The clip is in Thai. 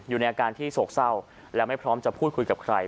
อยู่ในอาการที่โศกเศร้าและไม่พร้อมจะพูดคุยกับใคร